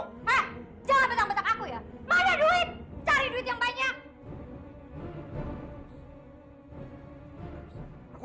hah jangan betang betang aku ya